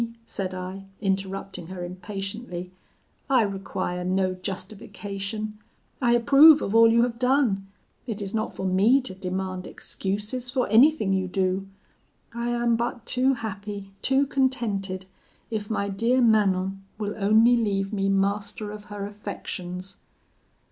said I interrupting her impatiently; 'I require no justification; I approve of all you have done. It is not for me to demand excuses for anything you do; I am but too happy, too contented, if my dear Manon will only leave me master of her affections!